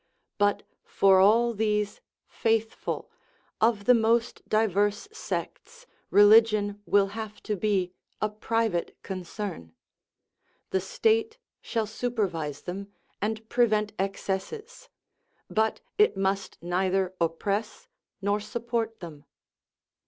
But for all these " faithful " of the most diverse sects religion will have to be a private concern. The state shall supervise them, and prevent excesses ; but it must neither oppress nor support them.